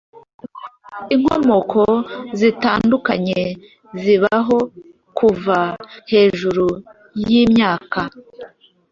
Inkomoko zitandukanye zibaho kuva hejuru yimyaka